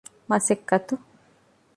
މަަސައްކަތު